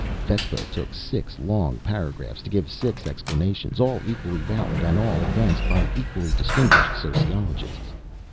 Vespa took six long paragraphs to give six explanations, all equally valid and all advanced by equally distinguished sociologists.